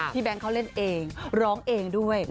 พี่แบงค์เค้าเล่นเองร้องเองด้วย